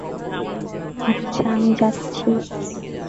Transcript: আচ্ছা, আমি যাচ্ছি।